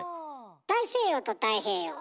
大西洋と太平洋。